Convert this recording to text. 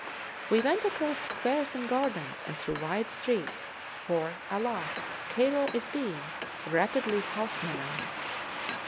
We went across squares and gardens and through wide streets, for, alas! Cairo is being rapidly Haussmannised.